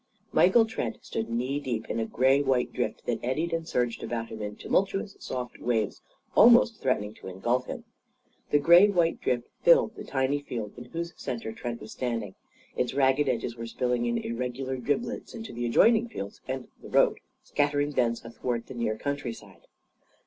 Michael Trent stood knee deep in a grey white drift that eddied and surged about him in tumultuous, soft waves, almost threatening to engulf him. The grey white drift filled the tiny field in whose centre Trent was standing. Its ragged edges were spilling in irregular driblets into the adjoining fields and the road, scattering thence athwart the nearer countryside.